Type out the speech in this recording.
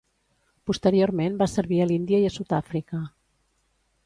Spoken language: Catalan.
Posteriorment va servir a l'Índia i a Sud-àfrica.